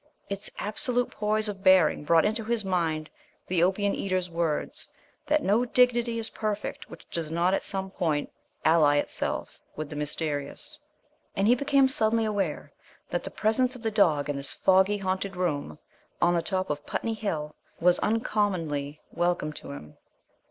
Its absolute poise of bearing brought into his mind the opium eater's words that "no dignity is perfect which does not at some point ally itself with the mysterious"; and he became suddenly aware that the presence of the dog in this foggy, haunted room on the top of Putney Hill was uncommonly welcome to him.